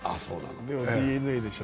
でもＤｅＮＡでしょ。